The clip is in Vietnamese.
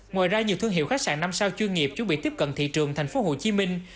ngoài ra nhiều thương hiệu khách sạn năm sao chuyên nghiệp chuẩn bị tiếp cận thị trường thành phố hồ chí minh